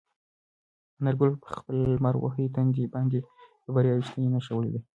انارګل په خپل لمر وهلي تندي باندې د بریا رښتینې نښه ولیده.